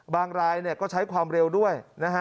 รายก็ใช้ความเร็วด้วยนะฮะ